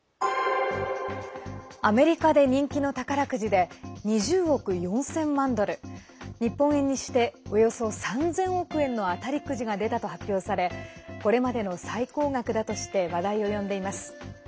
アメリカで人気の宝くじで２０億４０００万ドル日本円にしておよそ３０００億円の当たりくじが出たと発表されこれまでの最高額だとして話題を呼んでいます。